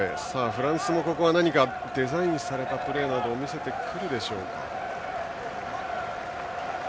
フランスも何かデザインされたプレーなどを見せてくるでしょうか。